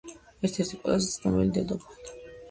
ერთ-ერთი ყველაზე ცნობილი დედოფალი.